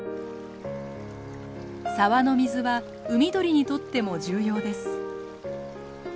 沢の水は海鳥にとっても重要です。